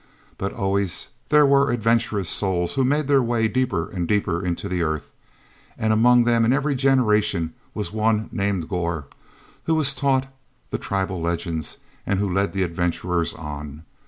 But always there were adventurous souls who made their way deeper and deeper into the earth; and among them in every generation was one named Gor who was taught the tribal legends and who led the adventurers on.